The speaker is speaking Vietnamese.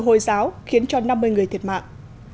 hồi giáo khiến cho năm mươi người thiệt mạng